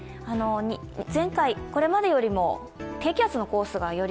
前回、これまでよりも低気圧のコースがより